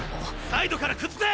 サイドから崩せ！